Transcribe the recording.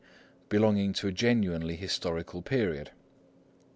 belonging to a genuinely historical period.